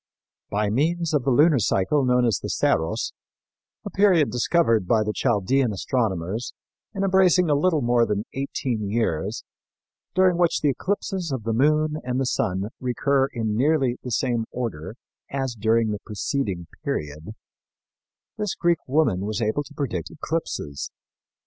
By means of the lunar cycle known as the Saros, a period discovered by the Chaldean astronomers and embracing a little more than eighteen years, during which the eclipses of the moon and sun recur in nearly the same order as during the preceding period, this Greek woman was able to predict eclipses.